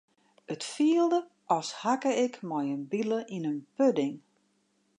It fielde as hakke ik mei in bile yn in pudding.